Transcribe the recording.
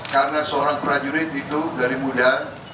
karena seorang prajurit itu dari muda